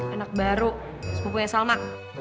anak baru sepupunya salma